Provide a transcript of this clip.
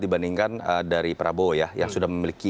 dibandingkan dari prabowo ya yang sudah memiliki